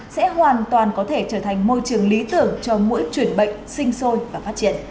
sẽ hoàn toàn có thể trở thành môi trường lý tưởng cho mỗi chuyển bệnh sinh sôi và phát triển